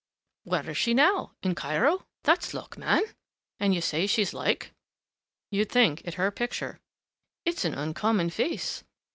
"Where is she, now? In Cairo? That's luck, man!... And you say she's like?" "You'd think it her picture." "It's an uncommon face."